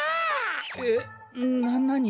えっななに？